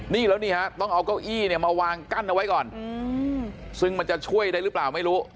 นี่แล้วนี่ฮะต้องเอาเก้าอี้เนี่ยมาวางกั้นเอาไว้ก่อนซึ่งมันจะช่วยได้หรือเปล่าไม่รู้